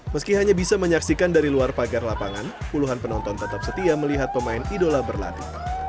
meski hanya bisa menyaksikan dari luar pagar lapangan puluhan penonton tetap setia melihat pemain idola berlatih